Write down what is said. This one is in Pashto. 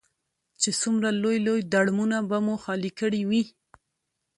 چې څومره لوی لوی ډرمونه به مو خالي کړي وي.